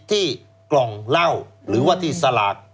ที่กล่องเหล้าหรือว่าที่สลาก